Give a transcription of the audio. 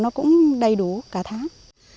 nó cũng đầy đủ cả tháng